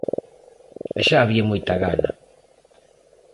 E xa había moita gana.